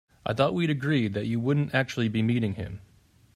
I thought we'd agreed that you wouldn't actually be meeting him?